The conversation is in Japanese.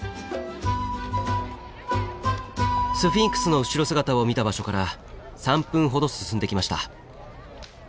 スフィンクスの後ろ姿を見た場所から３分ほど進んできました。